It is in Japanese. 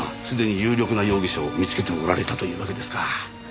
すでに有力な容疑者を見つけておられたというわけですか。